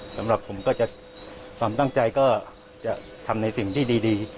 สำหรับผมก็จะความตั้งใจก็จะทำในสิ่งที่ดี